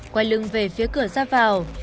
quay lưng về phía cửa ra vào